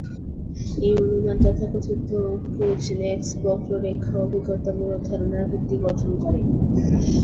এই অনুমান তথাকথিত "কুজনেটস বক্ররেখা" অভিজ্ঞতামূলক ধারণার ভিত্তি গঠন করে।